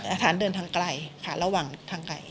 สถานเดินทางไกลค่ะระหว่างทางไกล